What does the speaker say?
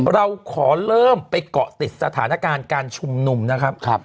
เราขอเริ่มไปเกาะติดสถานการณ์การชุมนุมนะครับ